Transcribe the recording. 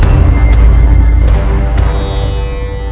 untuk ke gunung buntang